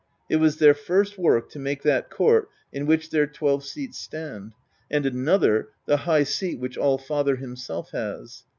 It was their first work to make that court in which their twelve seats stand, and another, the high seat which Allfather himself has.